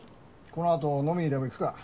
このあと飲みにでも行くか。